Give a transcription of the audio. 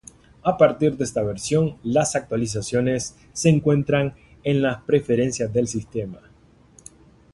A partir de esta versión, las actualizaciones se encuentran en las preferencias del sistema.